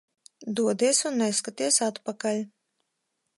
Dodies un neskaties atpakaļ.